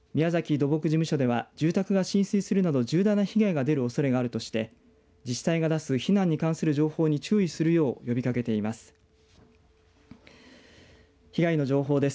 土木事務所では住宅が浸水するなど１７被害のおそれがあるとして自治体が出す避難に関する情報に注意するよう呼びかけています。